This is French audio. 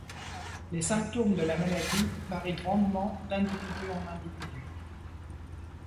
Les symptômes de la maladie varient grandement d'individu en individu.